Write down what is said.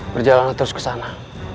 berjalanlah terus ke sana